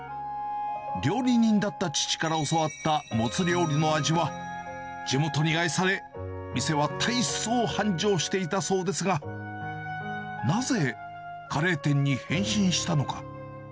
料理人だった父から教わったモツ料理の味は、地元に愛され、店は大層繁盛していたそうですが、なぜカレー店に変身したのか。